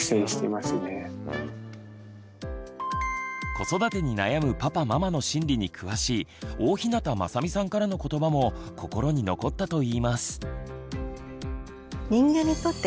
子育てに悩むパパママの心理に詳しい大日向雅美さんからのことばも心に残ったといいます。